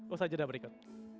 usai jeda berikut